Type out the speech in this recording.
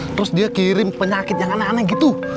terus dia kirim penyakit yang aneh aneh gitu